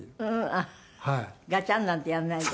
あっガチャンなんてやんないで。